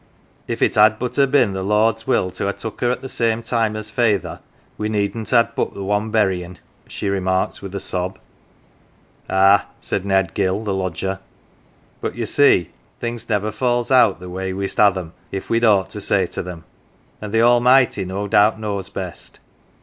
24 GAFFER'S CHILD " If it had but ha' been the Lord's will to ha 1 took her at the same time as Feyther, we needn't have had but the one buryin'," she remarked with a sob. " Ah," said Ned Gill, the lodger, " but ye see things never falls out the way we'st ha' them if we'd aught to say to them. And the Almighty no doubt knows best.